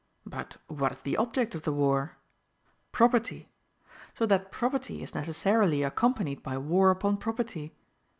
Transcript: But what is the object of the war? Property. So that property is necessarily accompanied by war upon property.